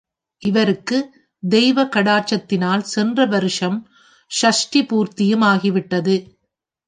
இவருக்குத் தெய்வ கடாட்சத்தினால் சென்ற வருஷம் ஷஷ்டி பூர்த்தியும் ஆகிவிட்டது.